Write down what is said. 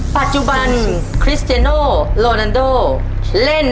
ปัจจุบัน